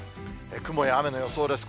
雲や雨の予想です。